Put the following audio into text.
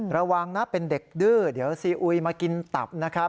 ระวังนะเป็นเด็กดื้อเดี๋ยวซีอุยมากินตับนะครับ